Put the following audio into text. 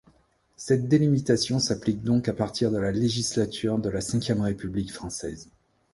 Cette délimitation s'applique donc à partir de la législature de la Cinquième République française.